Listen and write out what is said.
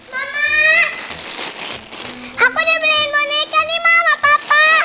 mama aku udah beliin boneka nih mama papa